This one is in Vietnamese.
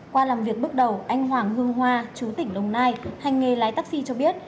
qua làm việc bước đầu anh hoàng hương hoa chú tỉnh đồng nai hành nghề lái taxi cho biết